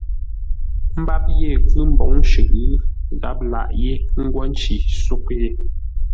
Mbap ye ghʉ́ mbǒŋ shʉʼʉ, gháp laghʼ yé ńgwó nci ńsóghʼ yé.